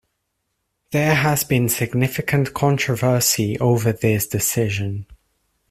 There has been significant controversy over this decision.